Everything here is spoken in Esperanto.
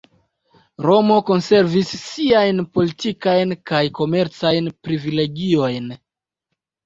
Romo konservis siajn politikajn kaj komercajn privilegiojn.